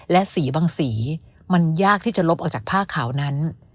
และสีบางสีมันยากที่จะลบออกจากผ้าขาวนั้น